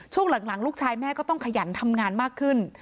ช่วงหลังลูกชายแม่ก็ต้องขยันทำงานมากขึ้น